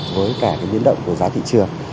với cả cái biến động của giá thị trường